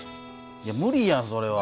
無理やんそれは。